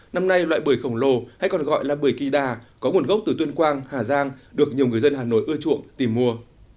năm nay loại bưởi khổng lồ hay còn gọi là bưởi kỳ đà có nguồn gốc từ tuyên quang hà giang được nhiều người dân hà nội ưa chuộng tìm mua